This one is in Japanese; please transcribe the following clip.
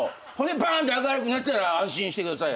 ばんって明るくなったら「安心してください